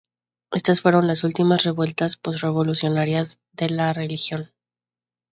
Estas fueron las últimas revueltas post-revolucionarias en la región.